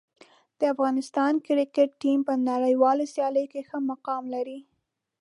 افغانستان کرکټ ټیم په نړیوالو سیالیو کې ښه مقام لري.